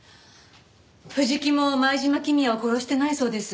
藤木も前島公也を殺してないそうです。